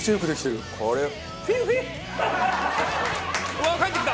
うわっ帰ってきた！